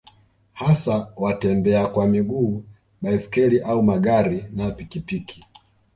hasa watembea kwa miguu baiskeli au magari na pikipiki